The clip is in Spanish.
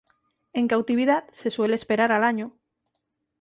En cautividad se suele esperar al año.